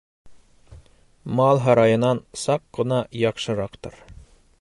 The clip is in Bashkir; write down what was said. Мал һарайынан саҡ ҡына яҡшыраҡтыр.